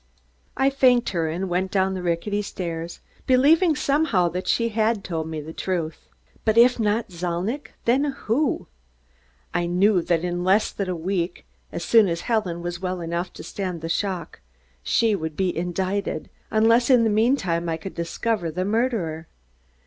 I thanked her and went down the rickety stairs, believing somehow that she had told me the truth. But if not Zalnitch, then who? I knew that in less than a week, as soon as Helen was well enough to stand the shock, she would be indicted, unless in the meantime, I could discover the murderer.